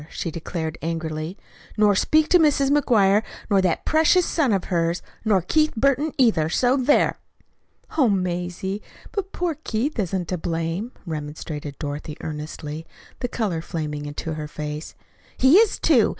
she declared angrily; "nor speak to Mrs. McGuire, nor that precious son of hers, nor Keith Burton, either. So there!" "Oh, Mazie, but poor Keith isn't to blame," remonstrated Dorothy earnestly, the color flaming into her face. "He is, too.